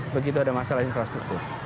begitu ada masalah infrastruktur